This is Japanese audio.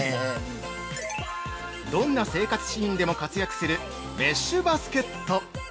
◆どんな生活シーンでも活躍するメッシュバスケット！